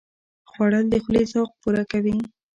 خوړل د خولې ذوق پوره کوي